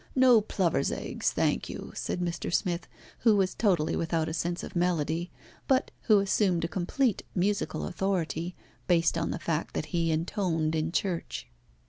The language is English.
No plover's eggs, thank you," said Mr. Smith, who was totally without a sense of melody, but who assumed a complete musical authority, based on the fact that he intoned in church.